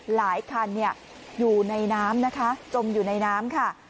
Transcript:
หลายคันอยู่ในน้ำนะคะจมอยู่ในน้ำค่ะ